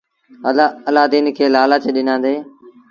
الآدين کي لآلچ ڏنآندي۔